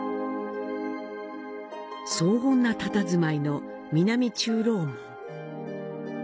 荘厳なたたずまいの南中楼門。